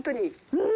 うん！